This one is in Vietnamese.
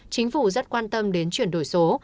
chính phủ rất quan tâm đến chuyển đổi số